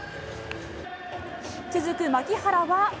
続く牧原は。